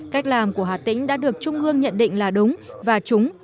cách làm của hà tĩnh đã được trung ương nhận định là đúng và trúng